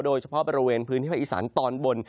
โดยเฉพาะบริเวณพื้นที่ภาคอีสานตอนบน